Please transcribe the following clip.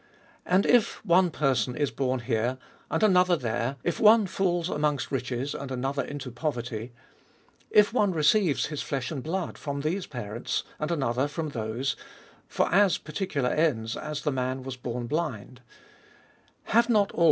And if one person is born here, and another there ; if one falls amongst riches, and another into poverty ; if one receives his flesh and blood from these parents, and another from those, for as particular ends, as the man was born blind ; have DEVOUT AND HOLY LIFE. 321 not al!